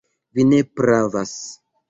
Vi ne pravas.